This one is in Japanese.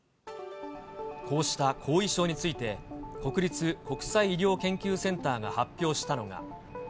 こうした後遺症について、国立国際医療研究センターが発表したのが。